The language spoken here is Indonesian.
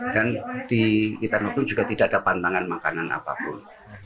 dan di hitan hukum juga tidak ada pantangan makanan apapun